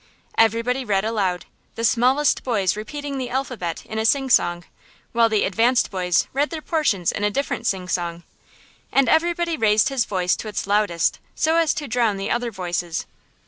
Everybody read aloud, the smallest boys repeating the alphabet in a sing song, while the advanced boys read their portions in a different sing song; and everybody raised his voice to its loudest so as to drown the other voices.